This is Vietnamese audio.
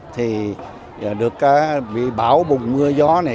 thì được bị bão bùng mưa gió này